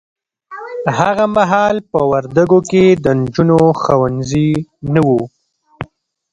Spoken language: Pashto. هغه محال په وردګو کې د نجونو ښونځي نه وه